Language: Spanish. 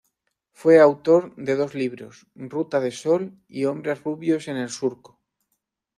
Fue autor de dos libros: "Ruta de Sol" y "Hombres Rubios en el Surco".